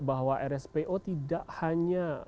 bahwa rspo tidak hanya